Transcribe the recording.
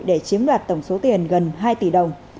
để chiếm đoạt tổng số tiền gần hai tỷ đồng